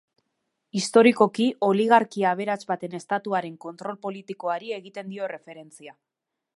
Historikoki, oligarkia aberats baten estatuaren kontrol politikoari egiten dio erreferentzia.